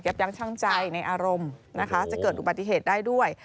ยั้งช่างใจในอารมณ์นะคะจะเกิดอุบัติเหตุได้ด้วย